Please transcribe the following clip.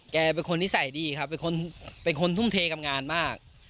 แกเป็นคนนิสัยดีครับเป็นคนทุ่มเทกับงานมาก